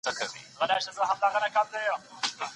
ښوونکي وویل چي موږ له کړکۍ څخه ډبره چاڼ کړه.